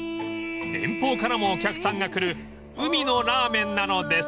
［遠方からもお客さんが来る「海のラーメン」なのです］